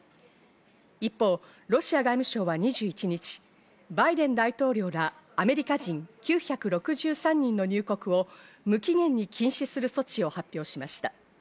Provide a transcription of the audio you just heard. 一方ロシア外務省は２１日、バイデン大統領らアメリカ人９６３人の入国を無期限に禁止する措置を発表しました。